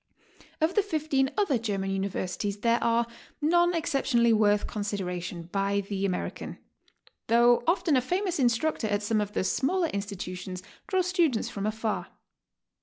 Of the fifteen other German universities there are none exceptionally woi^bh con sideration by the American, though often a famous instructor at some of the smaller institutions draws students from afar.